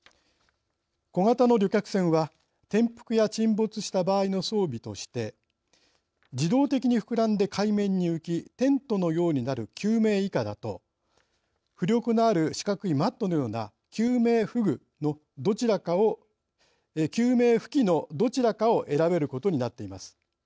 小型の旅客船は転覆や沈没した場合の装備として自動的に膨らんで海面に浮きテントのようになる救命いかだと浮力のある四角いマットのような救命浮器のどちらかを選べることになっています。